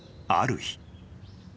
ある日］